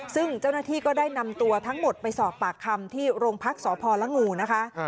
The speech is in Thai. ซึ่งเจ้าหน้าที่ก็ได้นำตัวทั้งหมดไปสอบปากคำที่โรงพักษพลงูนะคะ